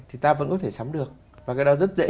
thì ta vẫn có thể sắm được và cái đó rất dễ